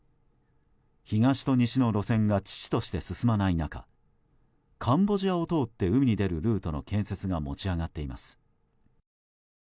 東と西の路線が遅々として進まない中カンボジアを通って海に出るルートの建設が持ち上がっています。